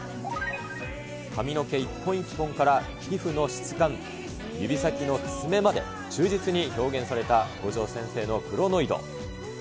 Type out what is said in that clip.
髪の毛一本一本から皮膚の質感、指先の爪まで、忠実に表現された五条先生のクロノイド。